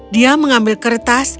dia mengambil kertas